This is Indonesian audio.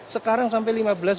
sekarang sampai lima belas